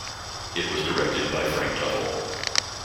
It was directed by Frank Tuttle.